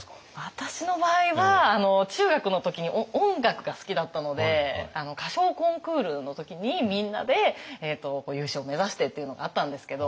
私の場合は中学の時に音楽が好きだったので歌唱コンクールの時にみんなで優勝目指してっていうのがあったんですけど。